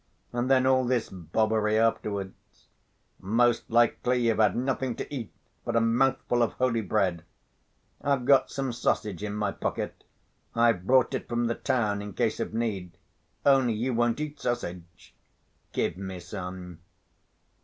And then all this bobbery afterwards. Most likely you've had nothing to eat but a mouthful of holy bread. I've got some sausage in my pocket; I've brought it from the town in case of need, only you won't eat sausage...." "Give me some."